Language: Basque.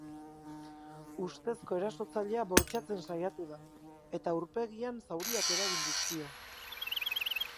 Ustezko erasotzailea bortxatzen saiatu da, eta aurpegiak zauriak eragin dizkio.